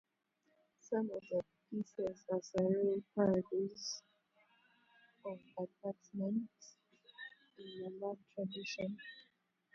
Some of the pieces are surreal parodies of advertisements in the "Mad" tradition.